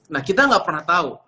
nah kita nggak pernah tahu